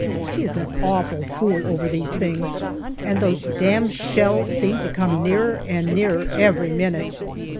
She is an awful fool over these things, and those damned shells seemed to come nearer and nearer every minute.